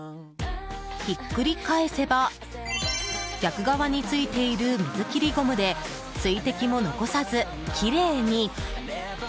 ひっくり返せば逆側に付いている水切りゴムで水滴も残さずきれいに。